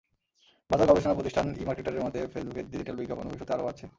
বাজার গবেষণা প্রতিষ্ঠান ইমার্কেটারের মতে, ফেসবুকের ডিজিটাল বিজ্ঞাপন ভবিষ্যতে আরও বাড়ছে।